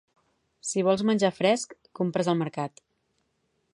Si vols menjar fresc, compres al mercat.